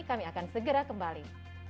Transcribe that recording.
kami akan segera kembali